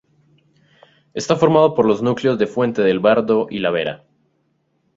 Está formado por los núcleos de Fuente del Bardo y La Vera.